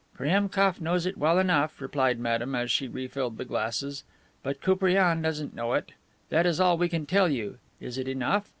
"Priemkof knows it well enough," replied Madame as she re filled the glasses, "but Koupriane doesn't know it; that is all we can tell you. Is it enough?